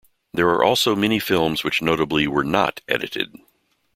There are also many films which notably were "not" edited.